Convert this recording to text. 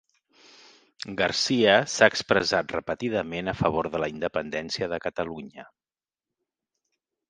Garcia s'ha expressat repetidament a favor de la independència de Catalunya.